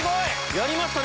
やりましたね